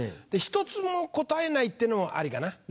一つも答えないってのもありかな？